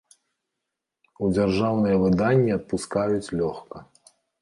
У дзяржаўныя выданні адпускаюць лёгка.